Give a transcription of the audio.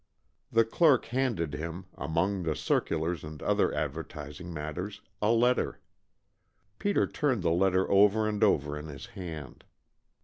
The clerk handed him, among the circulars and other advertising matter, a letter. Peter turned the letter over and over in his hand.